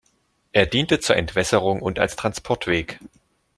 Er diente zur Entwässerung und als Transportweg.